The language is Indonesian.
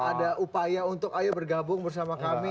ada upaya untuk ayo bergabung bersama kami